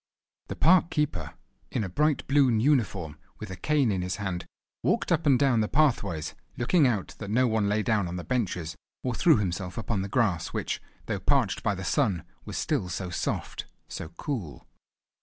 The park keeper, in a bright blune uniform with a cane in his hand, walked up and down the pathways, looking out that no one lay down on the benches, or threw himself upon the grass, which, though parched by the sun, was still so soft, so cool.